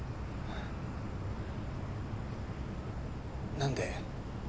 何で？